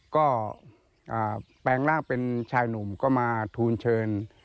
ก็แปลงร่างเป็นชายหนุ่มก็มาทูลเชิญ